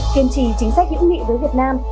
kiên trì chính sách hữu nghị với việt nam